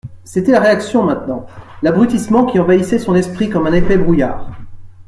C'était la réaction maintenant, l'abrutissement qui envahissait son esprit comme un épais brouillard.